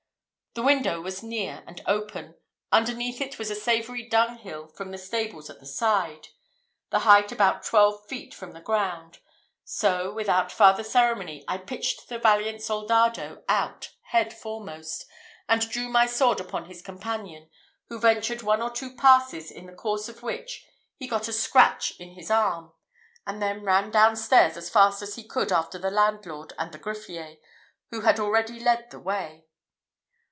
The window was near and open; underneath it was a savoury dunghill from the stables at the side; the height about twelve feet from the ground; so, without farther ceremony, I pitched the valiant soldado out head foremost, and drew my sword upon his companion, who ventured one or two passes, in the course of which he got a scratch in his arm, and then ran downstairs as fast as he could after the landlord and the greffier, who had already led the way.